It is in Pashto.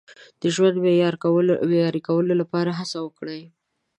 د ژوند معیاري کولو لپاره هڅه وکړئ.